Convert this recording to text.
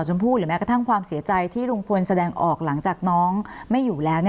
ชมพู่หรือแม้กระทั่งความเสียใจที่ลุงพลแสดงออกหลังจากน้องไม่อยู่แล้ว